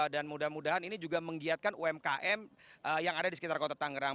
dan mudah mudahan ini juga menggiatkan umkm yang ada di sekitar kota tangerang